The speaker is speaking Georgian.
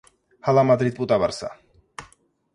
ჰალა მადრიდ პუტა ბარსა